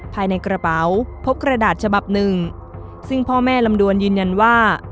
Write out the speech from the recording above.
ภายในกระเป๋าพบกระดาษฉบับหนึ่งซึ่งพ่อแม่ลำดวนยืนยันว่า